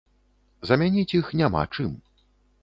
Замяніць іх няма чым.